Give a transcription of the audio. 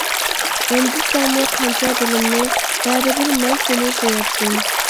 رەنجىتسەڭمۇ قانچە دىلىمنى، بەرىبىر مەن سېنى سۆيەتتىم.